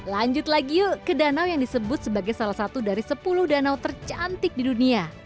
lanjut lagi yuk ke danau yang disebut sebagai salah satu dari sepuluh danau tercantik di dunia